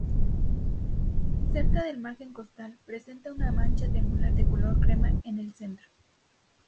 Cerca del margen costal, presenta una mancha triangular de color crema en el centro.